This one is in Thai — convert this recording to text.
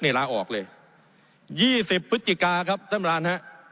เนี่ยล่าออกเลยยี่สิบพฤศจิกาครับท่านประธานครับ